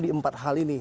di empat hal ini